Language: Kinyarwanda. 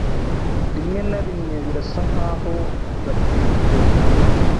Rimwe na rimwe birasa nkaho tudatera imbere.